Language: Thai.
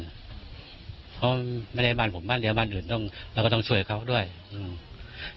เพราะไม่ได้บ้านผมบ้านเรือบ้านอื่นต้องเราก็ต้องช่วยเขาด้วยอืม